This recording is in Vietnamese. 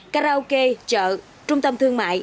karaoke chợ trung tâm thương mại